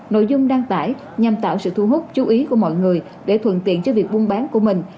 nội dung đăng tải nhằm tạo sự thu hút chú ý của mọi người để thuận tiện cho việc buôn bán của mình